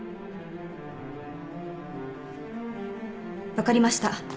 分かりました。